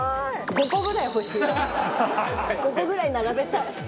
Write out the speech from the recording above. ５個ぐらい並べたい。